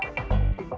nih lu ngerti gak